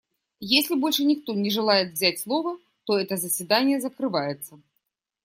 Если больше никто не желает взять слово, то это заседание закрывается.